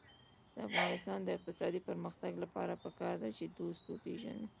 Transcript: د افغانستان د اقتصادي پرمختګ لپاره پکار ده چې دوست وپېژنو.